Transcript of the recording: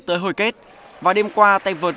tới hồi kết và đêm qua tay vượt